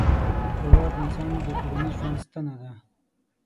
باور د انسان د ټولنیز ژوند ستنه ده.